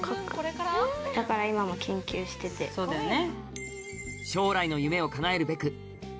そうだよね。